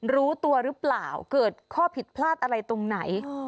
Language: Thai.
รู้ตัวหรือเปล่าเกิดข้อผิดพลาดอะไรตรงไหน